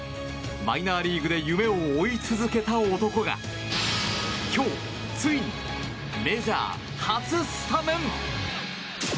マイナーリーグで夢を追い続けた男が今日ついにメジャー初スタメン！